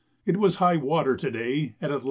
It was high water to day at 11h.